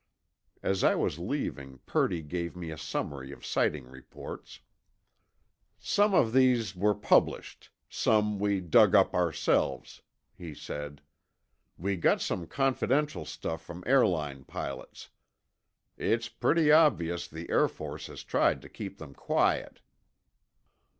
As I was leaving, Purdy gave me a summary of sighting reports. "Some of these were published, some we dug up ourselves," he said. "We got some confidential stuff from airline pilots. It's pretty obvious the Air Force has tried to keep them quiet."